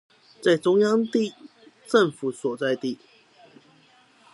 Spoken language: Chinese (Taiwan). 在中央政府所在地